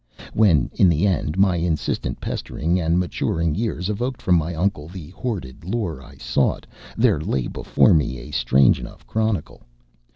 When, in the end, my insistent pestering and maturing years evoked from my uncle the hoarded lore I sought, there lay before me a strange enough chronicle.